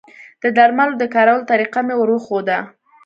د درملو د کارولو طریقه مې وروښوده